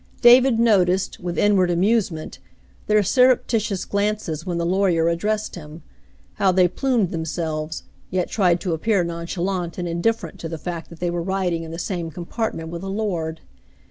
David noticed, with inward amusement, their surrepti tious glances, when the lawyer addressed him ; how they plumed themselves, yet tried to appear nonchalant and indifferent to the fact that they were riding in the same compartment with a lord.